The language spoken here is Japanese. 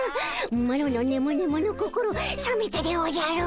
マロのねむねむの心さめたでおじゃる。